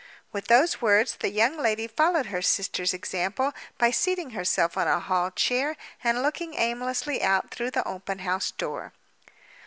With those words, the young lady followed her sister's example by seating herself on a hall chair and looking aimlessly out through the open house door.